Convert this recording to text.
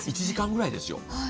１時間ぐらいですよ。